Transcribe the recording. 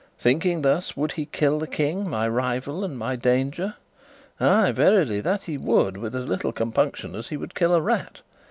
Thinking thus, would he kill the King, my rival and my danger? Ay, verily, that he would, with as little compunction as he would kill a rat.